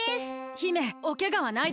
姫おけがはないですか？